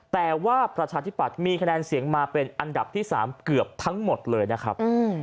แต่ว่าประชาธิปัตย์มีคะแนนเสียงมาเป็นอันดับที่๓เกือบทั้งหมดเลยนะครับ